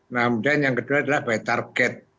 nah kemudian yang kedua adalah by target